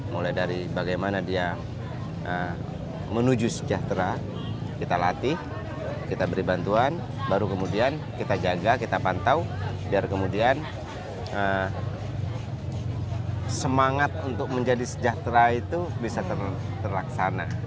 mulai dari bagaimana dia menuju sejahtera kita latih kita beri bantuan baru kemudian kita jaga kita pantau biar kemudian semangat untuk menjadi sejahtera itu bisa terlaksana